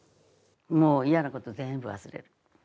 もう嫌なことは全部忘れる。